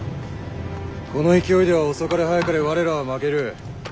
この勢いでは遅かれ早かれ我らは負ける。